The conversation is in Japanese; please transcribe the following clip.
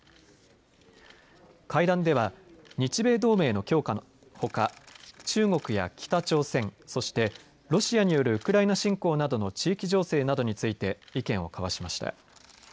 会談では日米同盟の強化のほか中国や北朝鮮、そしてロシアによるウクライナ侵攻などの地域情勢などについて意見を交わしました。